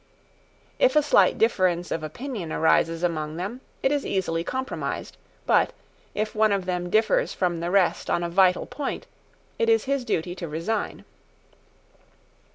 If a slight difference of opinion arises among them, it is easily compromised: but, if one of them differs from the rest on a vital point, it is his duty to resign.